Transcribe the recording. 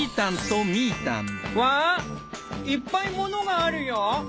わいっぱいものがあるよ。